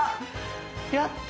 やった！